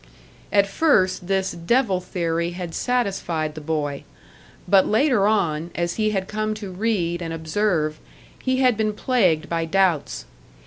At first this devil theory had satisfied the boy; but later on, as he had come to read and observe, he had been plagued by doubts.